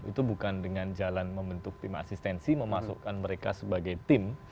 itu bukan dengan jalan membentuk tim asistensi memasukkan mereka sebagai tim